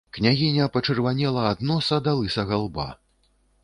Княгіня пачырванела ад носа да лысага лба.